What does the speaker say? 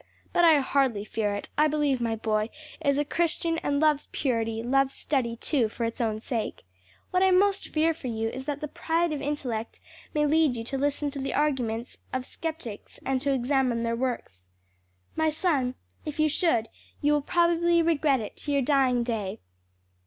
But I hardly fear it; I believe my boy is a Christian and loves purity: loves study too for its own sake. What I most fear for you is that the pride of intellect may lead you to listen to the arguments of sceptics and to examine their works. My son, if you should, you will probably regret it to your dying day.